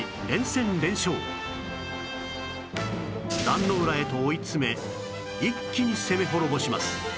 壇ノ浦へと追い詰め一気に攻め滅ぼします